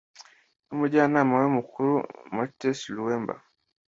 n’umujyanama we mukuru Mateus Luemba